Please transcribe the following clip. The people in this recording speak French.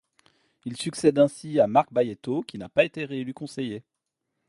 Il succède ainsi à Marc Baïetto, qui n'a pas été réélu conseiller.